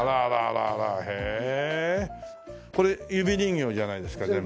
これ指人形じゃないですか全部。